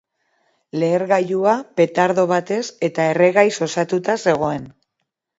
Lehergailua petardo batez eta erregaiz osatuta zegoen.